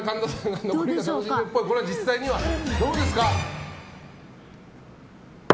これは実際にはどうですか。